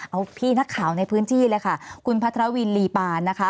เอาพี่นักข่าวในพื้นที่เลยค่ะคุณพัทรวินลีปานนะคะ